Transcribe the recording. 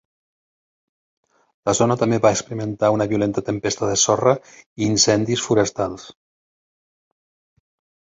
La zona també va experimentar una violenta tempesta de sorra i incendis forestals.